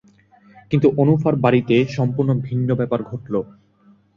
কিন্তু অনুফার বাড়িতে সম্পূর্ণ ভিন্ন ব্যাপার ঘটল।